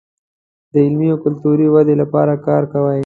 د علمي او کلتوري ودې لپاره کار کوي.